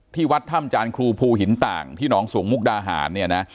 วัดถ้ำจานครูภูหินต่างที่หนองสูงมุกดาหารเนี่ยนะ